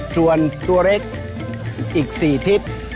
ตัวเล็กอีก๔ทิศ